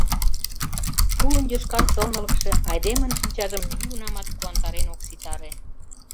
Тулын йошкар сылнылыкше айдемын шинчажым нигунамат куандарен ок ситаре...